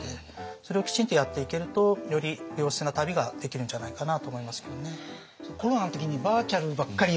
それをきちんとやっていけるとより良質な旅ができるんじゃないかなと思いますけどね。